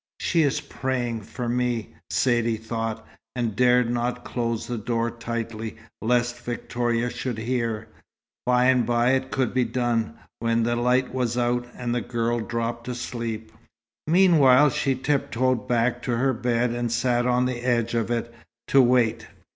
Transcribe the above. "She is praying for me," Saidee thought; and dared not close the door tightly, lest Victoria should hear. By and by it could be done, when the light was out, and the girl dropped asleep. Meanwhile, she tiptoed back to her bed, and sat on the edge of it, to wait.